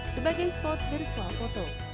sebagai spot virtual foto